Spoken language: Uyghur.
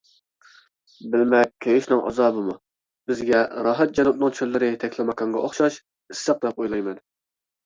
بىلمەك كۆيۈشنىڭ ئازابىمۇ بىزگە راھەت جەنۇبنىڭ چۆللىرى تەكلىماكانغا ئوخشاش ئىسسىق دەپ ئويلايمەن.